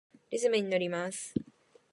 リズムにのります。